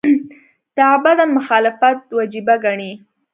تعبداً مخالفت وجیبه ګڼي.